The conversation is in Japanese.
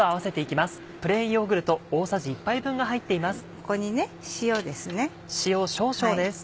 ここに塩ですね。